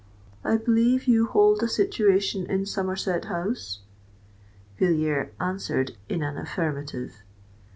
I believe you hold a situation in Somerset House?" Villiers answered in an affirmative.